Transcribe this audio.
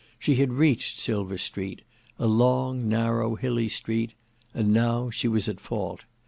She had reached Silver Street; a long, narrow, hilly Street; and now she was at fault.